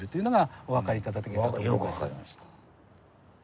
よく分かりました。